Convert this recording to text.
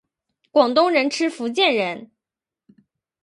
广东人吃福建人！